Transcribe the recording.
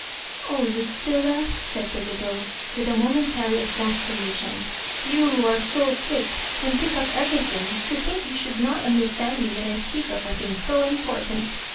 "Oh, Lucilla!" said the widow, with a mo mentary exasperation, " you, who are so quick, and pick up eveiything, to think you should not understand me when I speak of a thing so im portant.